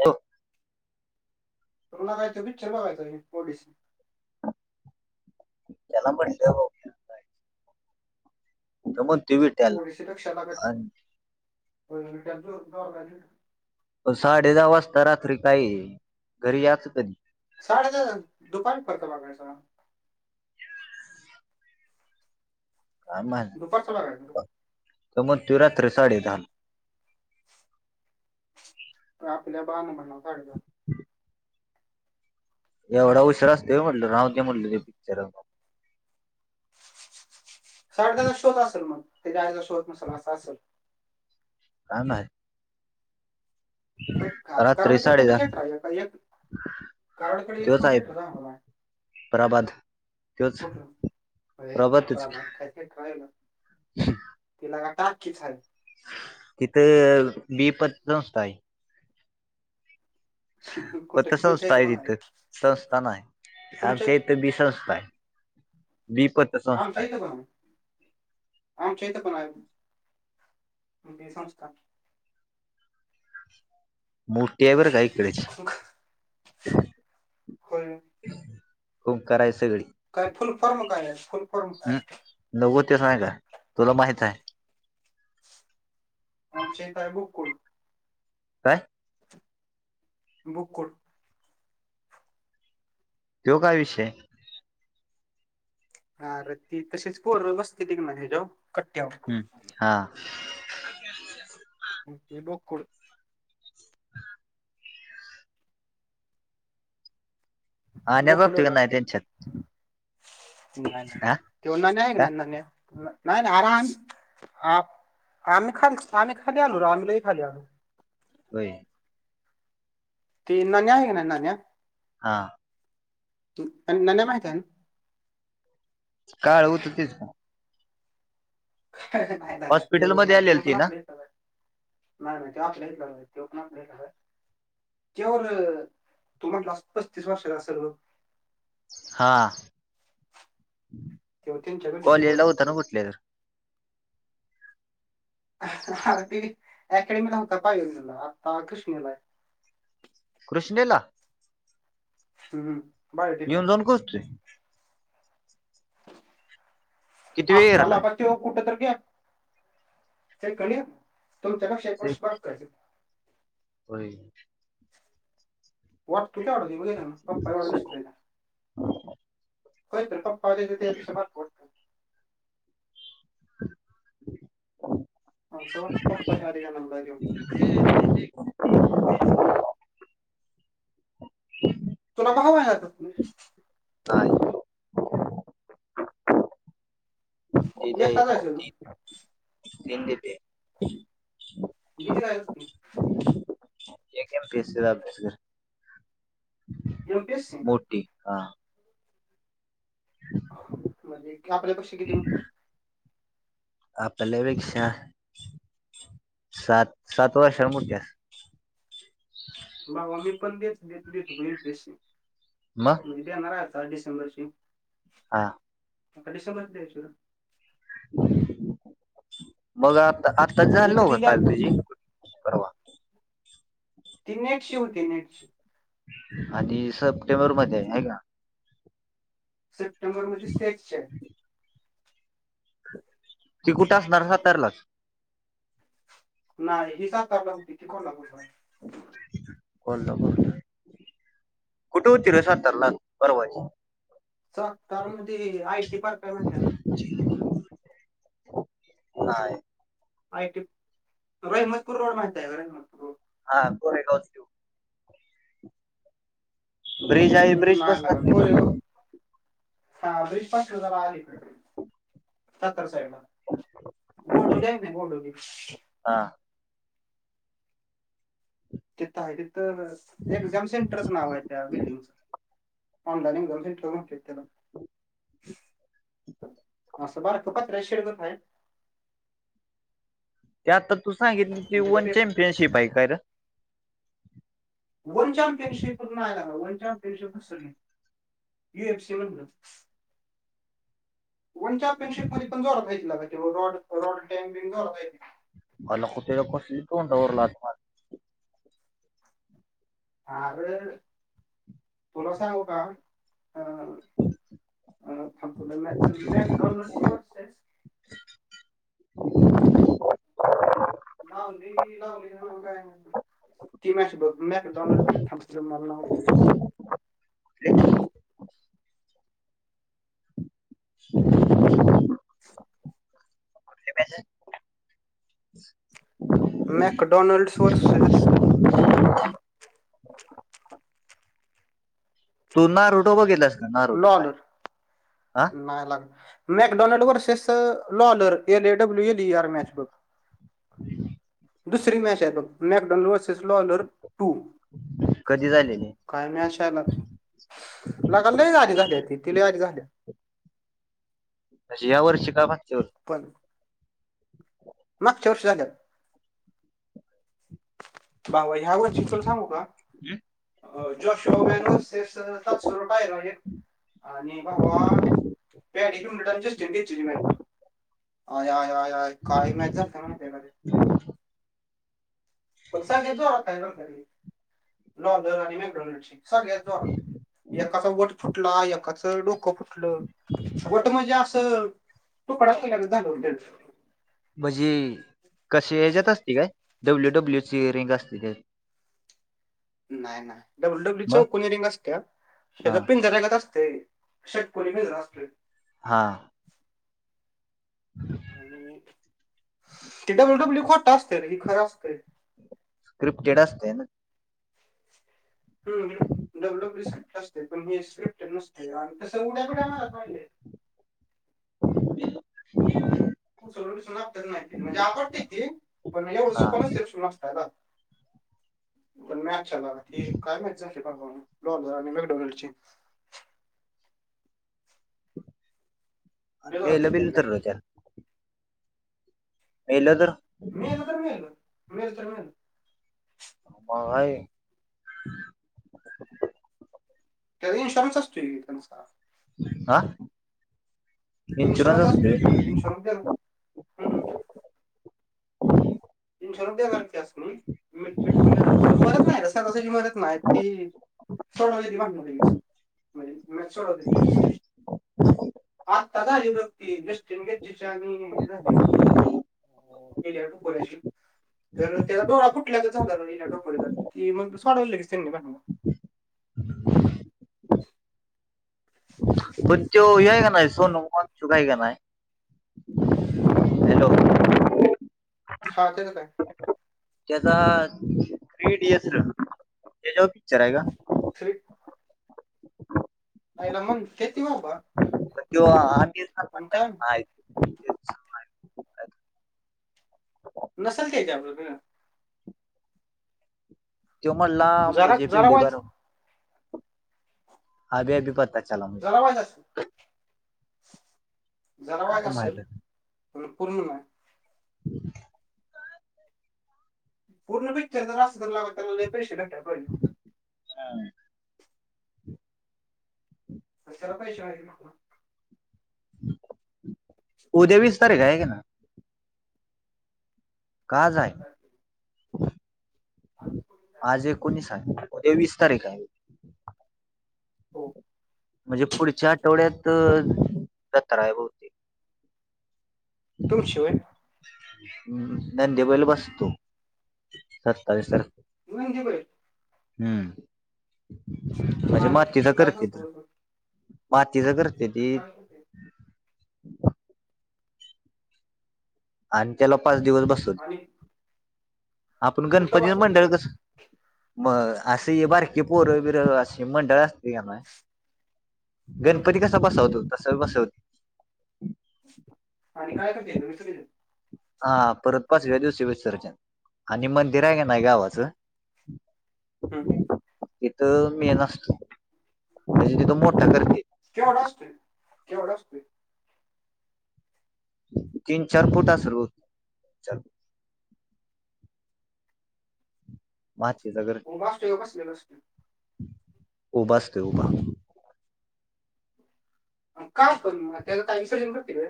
हो. मला हितं पिक्चर बाग्यचा आहे. त्यांना म्हटले भा. कोणती वीट. डीशी लक्ष लागत. साडे दहा वाजता रात्री काय घरी याचं कधी साडेचा दुकान पतं मागड स आमा दुपारचा बघायचा स म त्यरात्र साडी झालं. आपल्या बान म्हणा सगत. एवढा उशर असत म्हटलं राव ते म्हटलं ते पिक्चर. सर त्याचा शोध असेल मग त्या आचा शोत म सर असेल. का नाही. पण आता रात्री कारणक साडे कुठे दहा राहि एक कारणक एक पणतीी ठ रज होला आहे. प्रराबाद. कुठलं अर प्रभातच त भात खायच करायला. तिला का टाककीच आहे. तिथं बी पस्तय कुठे फत तुमच्या संस्था इथे आहे पण तिथ संस्था नाही तुमच्या आमच्या इथे बी संस्था आहे. विपत. आम सही त काण आमचेतपला आहे ते संस्था. मोटया बर गाही हिकडची होय कुं कय सगळी. काय फुल फॉर्म काय नाही फुल फॉर्म काय. नगो तेस नाही का तुला माहित आहे. आमचा हित आहे बुक कठ. काय? बुक कर. तो काय विषय? हा र ती तशीच पोर बसतेतक ना हजव. हम्म हा. ते बोकड. आो बोकुड तती नाही त्यांात [unintelligible] नाही नाही तेव न आहे का ना न नाही ना आराम. आ आमही खाली आमही खाली आलू र आमलाही खाली आलू होई. ते नन्या आहे ग ना नान्या. हा. नान्या माहित आहे का. काळ होत तेस. नाही दादा ते हॉस्पिटलमध्ये नाही आलेल ते ती पण ना आपले सग नाही नाही ते आप ला ते पण ला आहे. त्या तुम्हालालास् पस्तीस वर्षला असेल म. हा तेव्हा तीन चार मिंटचे कॉलेजला फोर. होता ना कुठल्या तर आर ती अकॅडमीला होता [unintelligible] आत्ता कृष्णेला अय कृष्णेला हम्म बायोटेकलाय [unintelligible] किती वेळ आत्ता राहिलाय लका तेव कुठतर गेल सेकंड इयर तुमचा पेक्षा एक ते- वर्ष बारकाय त्यो. होय. वाटतो केवडा तो बागीतल ना पप्पा एवढा दिसतो त्याचा. होय तर पप्पा आले ते त्याचा पेक्षा बारक वाट [inaudible] अस वाटतं पप्पांचा आधी जलमलाय त्यो. तुला भाव हाय आता हा दीदी एकटा हाय जायचं तू तीन तीन दीदीय. दीदी काय करती? यमपीएससी चा अभ्यास यपीएस मोठी हा. म्हणजे आपल्या पेक्षा किती मोठीय? आपल्यापेक्षा सात सात वर्षांनी मोठी अस भावा मी पण तेच [unintelligible] देत होतो यूपीएससी. मग? म्हणजे देणारय आता डिसेंबरची. हा. आता डिसेंबरची देयची र. मग आता आता झाली एक न्हव दिली काल आम्ही तुझी? परवा ती नेटची होती नेटची. आणि सप्टेंबर मध्ये हाय का? सेप्टेंबर मध्ये सेटची आहे. ती कुठं असणार सातारलाच? नाही हि सातारला होती ती कोल्हापूरला य. कोल्हापुरलाय कुठं होती रं सातारला परवाची सातार मध्ये आयटी पार्क हाय म्हायतीये ना? नाय आयटी रहिमतपूर रोड माहितेय रहिमपूर रोड हा कोरेगावचा त्यो ब्रिज आहे हम्म ब्रिज नाय लेका बसतात कोरेगाव हा ब्रीज पासन जरा अलीकड. सातार साईडला गोडोली हाय ना गोडोली हा. तिथं हाय तिथं एक्झाम सेंटरच नाव ए त्या बिल्डिंगच् ऑनलाईन एक्झाम सेंटर मोठी त्येला असं बारकं पत्र्याच्या शेड गत हाय. ते आता तू सांगितलं ती आणि तिथं वर्ल्ड पे चॅम्पियनशिप हाय काय रं? वर्ल्ड चॅम्पियनशिप नाय लेका, वर्ल्ड चॅम्पियनशिप नसल ही यूएफसी म्हणल. वर्ल्ड चम्पियनशिप मध्ये पण जोरात हाय की लेका त्यो रॉड टँक बिंक जोरात हायती. हायला खुत्यापशी तोंडावर लाथ मार आरं, तुला सांगू का? अ अ थांम तुला मेसज [unintelligible] [unintelligible] [unintelligible] ती.. मॅश.. मॅकडोनाल्ड वर... थांब... मला नाव [unintelligible] [inaudible] कुठली मॅचए? मॅकडोनल्ड वर्सेस [inaudible] तू नारोटो बघितलास का? नारोटो काय हा? नाय लेका. McDonald versus Lawler. L A W L T R match बघ. दुसरी मॅच ए बघ. McDonald versus Lawler two. कधी झालेलीय? काय मॅच ए लेका. लेका, लई आधी झाल्या ते. लई आधी झाल्या. तशी या वर्षी का मागच्या वर्षी? पण मागच्या वर्षी झाल्यात. भावा ह्या वर्षी तुला सांगू का? या Joshua Van versus Tatsuro Taira ए. आणि भावा, [unintelligible] ची मॅच बघ. आय आय आय आय. काय मॅच झालत्या माहितेय का ते. [inaudible] पण सगळ्यात जोरात हाय बरका हे. लॉलर आणि मॅकडॉनल्डची. सगळ्यात जोरात. एकाचा वट फुटला. एकाचं डोकं फु टल. वट म्हणजे असं तुकडा पडल्या गत झालं होतं त्याचं. म्हणजी, कशी ह्याच्यात असती काय? डब्ल्यू डब्ल्यू ची रिंग असते त्यात. नाय नाय. डब्ल्यू डब्ल्यूची मग चौकोनी रिंग असत्याया. हा ह्याचा पिंजर्यागत असतय. षटकोनी पिंजरा असतोय. हां. [unintelligible] ते डब्ल्यू डब्ल्यू खोटं असतं रे. हे खरं असतय. स्क्रिप्टेड असतय ना? ऊहुं. डब्ल्यू डब्ल्यू एफ स्क्रिप्टेड असतंय. पण हे स्क्रिप्टेड नसतंय. आणि तशा उड्या बिड्या मारत नायी हे. [inaudible] उचलून बीचलून आपटत नाही ती. म्हणजे आपटते ती. पण एवढ हा सोप नसतय [unintelligible] पण मच्यला काय मॅच झाली बाबा. डॉलर आणि मॅकडॉलची. बेजारात मेल मॅच बिल झाली तर त्या. मेल तर? मेल तर मेल. मेल तर मेल. मग हाये. त्याचा इन्शुरन्स असतोय त्यांचा. हा. इन्शुरन्स असतोय कीर. इन्शुरन्स देतात. हुं. इन्शरनस देणार त्यास्नी. मी मीटवून देणार. पण मरत नाय. सहजा सहजी मरत नाय ती. सोडवल्याती भडणं लागीच म्हजी मीच सोडवल्याती लगीच. आत्ता झाली बग ती जस्टिन गेच्चीची आणि हेजी झाली. एलिया [inaudible] तर त्याजा डोळा फू टल्यागत झाला रिया ढोपरेचा ती मग सोडावली लगीच त्यांनी भांडण. [inaudible] पण त्यो हे हाय का नाय सोनम वांगचुक हाय कनाय हम्म. हॅलो. हा तेज काय? तेजा थ्री इडियट र तेज्याव पिक्चर हाय का? थ्री आईला म्हणत्याती बाबा पण तो आमिर खान पण म्हणला की काय नाही नसल त्येज्यावर र. तो म्हटला जरा मुझे जरा पेहली बार वायच अभी अभी पता जरा वायच असल. जरावायच काय असल माहित पण पूर्ण नाय. [inaudible] पूर्ण पिक्चर जर असतं तर लगा त्याला लय पैश भेटाय पाहिजे हुत. छान. आणि त्याला पैशे उद्या वीस तारीख हाय क नाय? का आज आय? आज एकोणीसहाय उद्या वीस तारीख आय. हो म्हणजे पुढच्या आठवड्यात जत्रा हाय भ तुमची होय? हम् नंदी बैल बसतो सत्तावीस तार नंदी बैल? हम्म म्हणजे आणि मातीच काय करतेत. करतो बरं? मातीचा कर [inaudible] आणि त्याला पाच दिवस बस आणि? आपण कुठं गणपतीच बसवा मंडळ कसं म अशी बारकीे पोर बिर अशी मंडळ असतेती क नाय गणपती कसा बसावतो तसा बसाव आणि काय करत्यात विसर्जन? हा परत पाचव्या दिवशी विसर्जन. आणि मंदिर हाय क नाय गावाचं हम्म. तिथं मेन असतो म्हणजे तिथं मोठा करतेत. केवढा असतुय केवढा असतुय? तीन चार फूट असल भव तीन चार. मातीचा कर उभा असतुय का बसल्याला असतुय? उभा असतोय उभा. मग का पण त्याचं [unintelligible] ग.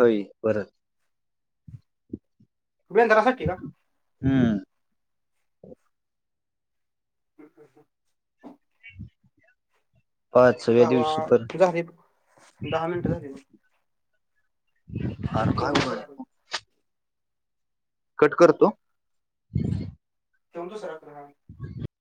हई परत. वेंदरासाठी का? हम्म. [unintelligible] पाचव्या भावा दिवशी तर झाले दहा मिनिटं झाली बघ. अर ठेवून काय दुसरा कर. [unintelligible] कट करतो. [unintelligible] दुसरा क्रमांक. [unintelligible]